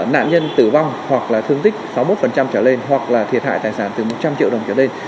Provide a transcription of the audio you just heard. nạn nhân tử vong hoặc là thương tích sáu mươi một trở lên hoặc là thiệt hại tài sản từ một trăm linh triệu đồng trở lên